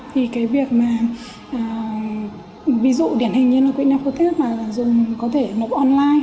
thì cái việc mà ví dụ điển hình như là quỹ nipoters mà dùng có thể nộp online